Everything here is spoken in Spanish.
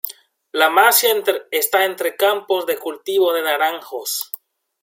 La masía está entre campos de cultivo de naranjos.